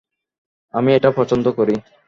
আমি এটা পছন্দ করি।